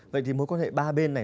vậy thì mối quan hệ ba bên này